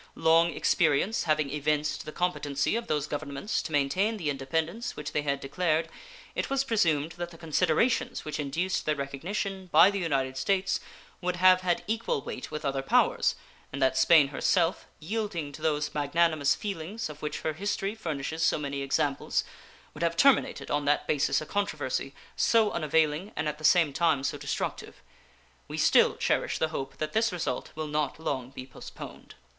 Long experience having evinced the competency of those governments to maintain the independence which they had declared, it was presumed that the considerations which induced their recognition by the United States would have had equal weight with other powers, and that Spain herself, yielding to those magnanimous feelings of which her history furnishes so many examples, would have terminated on that basis a controversy so unavailing and at the same time so destructive. We still cherish the hope that this result will not long be postponed.